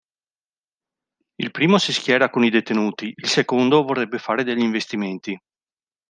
Il primo si schiera con i detenuti, il secondo vorrebbe fare degli investimenti.